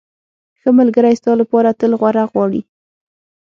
ښه ملګری ستا لپاره تل غوره غواړي.